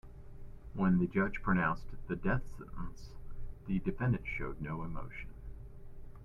When the judge pronounced the death sentence, the defendant showed no emotion.